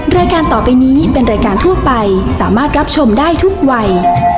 รายการต่อไปนี้เป็นรายการทั่วไปสามารถรับชมได้ทุกวัย